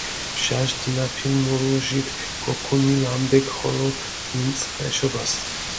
ბჟაშ დინაფილ მურუჟით გოქუნილ ამბექ ხოლო გინწყჷ ეშობას.